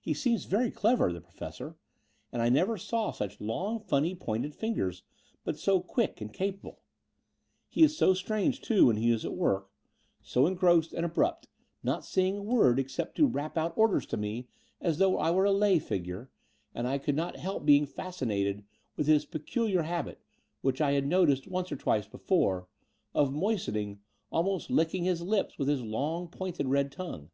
He seems very clever, the Professor; and I never saw such long, funny pointed fingers, but so quick and capable. He is so strange, too, when he is at work, so engrossed 86 The Door off the Unreal and abrupt, not saying a word except to rap out orders to me as though I were a lay figure; and I could not help being fascinated with his peculiar habit, which I had noticed once or twice before, of moistening — almost licking his lips with his long, pointed red tongue.